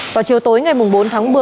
vào chiều tối ngày bốn tháng một mươi